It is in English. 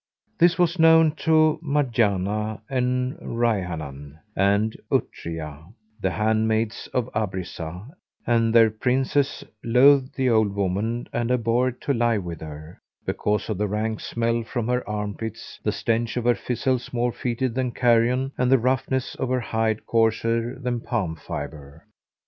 This was known to Marjanah and Rayhánah and Utrijah, the handmaids of Abrizah, and their Princess loathed the old woman and abhorred to lie with her, because of the rank smell from her armpits, the stench of her fizzles more fetid than carrion, and the roughness of her hide coarser than palm fibre.